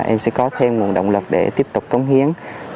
em sẽ có thêm nguồn động lực để tiếp tục cống hiến